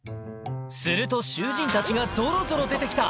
すると囚人たちがぞろぞろ出てきた。